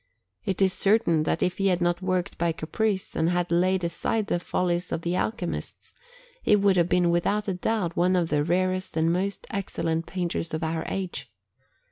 It is certain that if he had not worked by caprice, and had laid aside the follies of the alchemists, he would have been without a doubt one of the rarest and most excellent painters of our age.